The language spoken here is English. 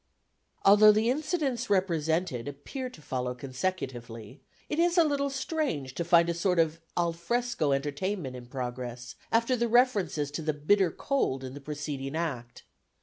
Although the incidents represented appear to follow consecutively, it is a little strange to find a sort of al fresco entertainment in progress after the references to the bitter cold in the preceding Act.